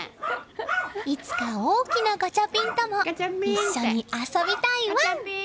いつか大きなガチャピンとも一緒に遊びたいワン！